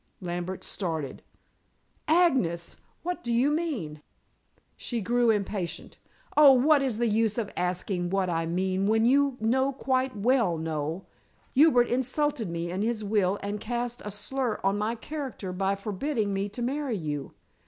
Lambert started. "Agnes! What do you mean?" She grew impatient. "Oh, what is the use of asking what I mean when you know quite well, Noel? Hubert insulted me in his will, and cast a slur on my character by forbidding me to marry you.